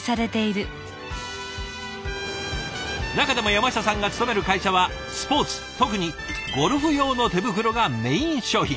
中でも山下さんが勤める会社はスポーツ特にゴルフ用の手袋がメイン商品。